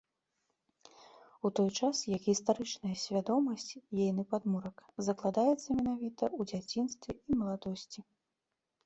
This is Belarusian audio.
У той час як гістарычная свядомасць, ейны падмурак, закладаецца менавіта ў дзяцінстве і маладосці.